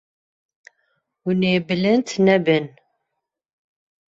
Hûn ê bilind nebin.